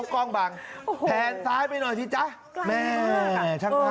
ตรงนั้นก็เลยทำให้ในสันทนะ